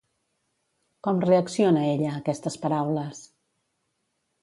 Com reacciona ell a aquestes paraules?